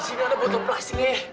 di sini ada botol plastiknya